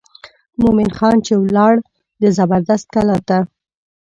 مومن خان چې ولاړ د زبردست کلا ته.